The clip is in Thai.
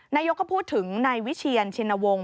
นายกก็พูดถึงในวิเชียร์ชินวงศ์